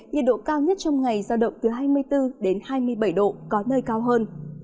nhiệt độ cao nhất trong ngày giao động từ hai mươi bốn đến hai mươi bảy độ có nơi cao hơn